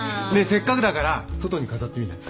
せっかくだから外に飾ってみない？